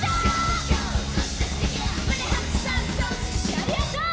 ありがとう！